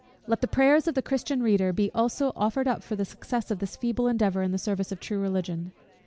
_ Let the prayers of the Christian reader be also offered up for the success of this feeble endeavour in the service of true Religion.